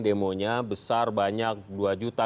demonya besar banyak dua juta